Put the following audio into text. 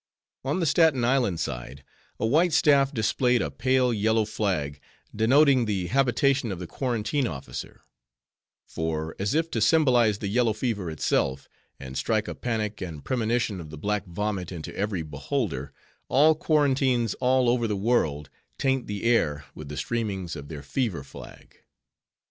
On the Staten Island side, a white staff displayed a pale yellow flag, denoting the habitation of the quarantine officer; for as if to symbolize the yellow fever itself, and strike a panic and premonition of the black vomit into every beholder, all quarantines all over the world, taint the air with the streamings of their fever flag.